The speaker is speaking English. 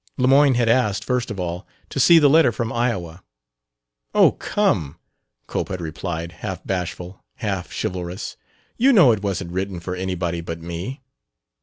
Lemoyne had asked, first of all, to see the letter from Iowa. "Oh, come," Cope had replied, half bashful, half chivalrous, "you know it wasn't written for anybody but me."